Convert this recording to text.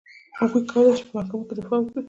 هغوی کولای شول په محکمو کې دفاع وکړي.